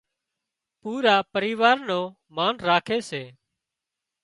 پُورا پريوار نُون مانَ راکي سي